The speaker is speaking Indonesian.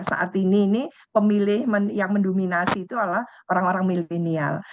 saat ini ini pemilih yang mendominasi itu adalah orang orang milenial